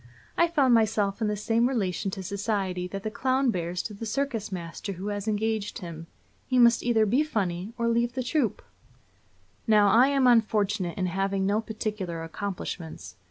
I found myself in the same relation to society that the clown bears to the circus master who has engaged him he must either be funny or leave the troupe. Now, I am unfortunate in having no particular accomplishments.